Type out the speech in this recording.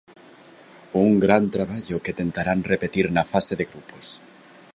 Un gran traballo que tentarán repetir na fase de grupos.